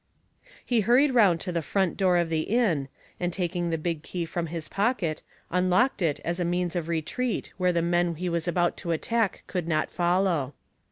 He hurried round to the front door of the inn, and taking the big key from his pocket, unlocked it as a means of retreat where the men he was about to attack could not follow.